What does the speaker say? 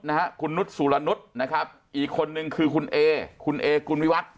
นะฮะคุณนุษย์สุรนุษย์นะครับอีกคนนึงคือคุณเอคุณเอกุลวิวัตร